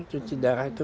cuci darah itu